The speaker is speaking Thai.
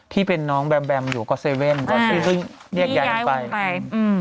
ที่เป็นน้องแบมแบมอยู่ก็เซเว่นก็ที่เรื่องนี่ย้ายวงไป